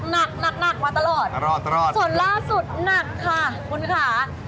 นักมาตลอดตลอดส่วนล่าสุดนักค่ะคุณคะ